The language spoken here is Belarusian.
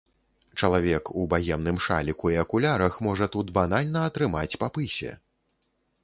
Чалавек у багемным шаліку і акулярах можа тут банальна атрымаць па пысе.